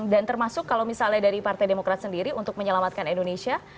dan termasuk kalau misalnya dari partai demokrat sendiri untuk menyelamatkan indonesia